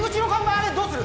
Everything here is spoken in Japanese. あれどうする？